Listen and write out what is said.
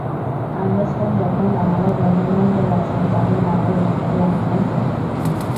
Anderson যখন বাংলার governor হয়ে আসেন তখন বাংলায় বিপ্লবী আন্দোলন প্রকট রূপ নেয়।